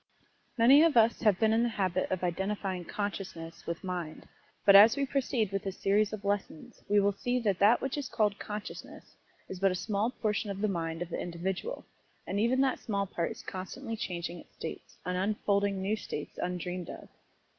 Many of us have been in the habit of identifying "consciousness" with mind, but as we proceed with this series of lessons we will see that that which is called "consciousness" is but a small portion of the mind of the individual, and even that small part is constantly changing its states, and unfolding new states undreamed of.